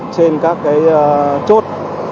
trên các chốt